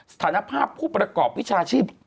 สถานภาพผู้ประกอบวิชาชีพ